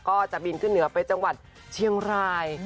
ก็จะบินขึ้นเหนือไปจังหวัดเชียงราย